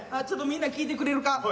ちょっとみんな聞いてくれるか。